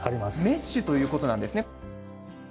メッシュということなんですね。